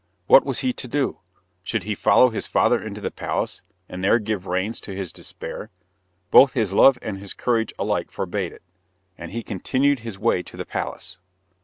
What was he to do? Should he follow his father into the palace, and there give reins to his despair? Both his love and his courage alike forbade it; and he continued his way to the palace.